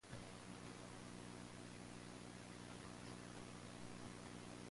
He was returned to the minors the following day.